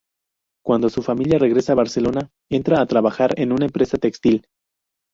Cuando su familia regresa a Barcelona, entra a trabajar en una empresa textil.